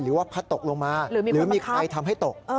หรือว่าพัดตกลงมาหรือมีใครทำให้ตก